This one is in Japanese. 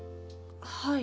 はい。